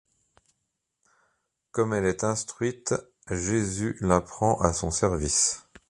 Comme elle est instruite, Jésus la prend à son service.